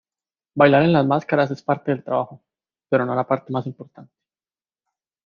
Bailar en las máscaras es parte del trabajo, pero no la parte más importante.